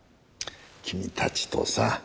君たちとさ。